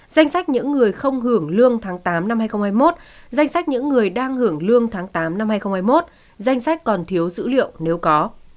danh sách những người không hưởng lương tháng tám năm hai nghìn hai mươi một danh sách những người đang hưởng lương tháng tám năm hai nghìn hai mươi một danh sách còn thiếu dữ liệu nếu có